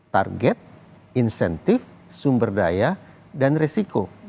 target insentif sumber daya dan resiko